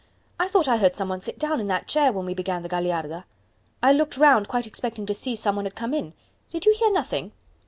I thought I heard some one sit down in that chair when we began the Gagliarda. I looked round quite expecting to see some one had come in. Did you hear nothing?"